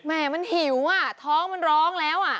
แม่มันหิวอ่ะท้องมันร้องแล้วอ่ะ